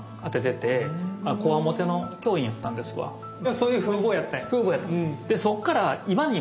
そういう風貌やったんや。